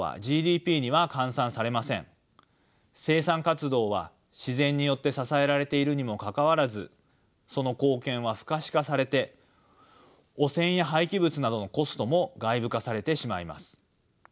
生産活動は自然によって支えられているにもかかわらずその貢献は不可視化されて汚染や廃棄物などのコストも外部化されてしまいます。